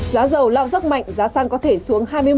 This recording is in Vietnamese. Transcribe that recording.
giá dầu lạo rốc mạnh giá xăng có thể xuống